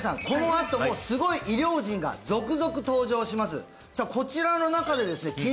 このあともすごい医療人が続々登場しますさあこちらの中でですね